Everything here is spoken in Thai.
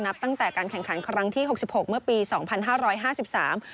นับตั้งแต่การแข่งขันครั้งที่หกสิบหกเมื่อปีสองพันห้าร้อยห้าสิบสาม